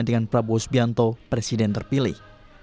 dengan prabowo subianto presiden terpilih